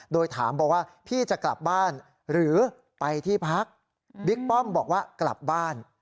โดยถามบอกว่าพี่จะกลับบ้านหรือไปที่พักบิ๊กป้อมบอกว่ากลับบ้าน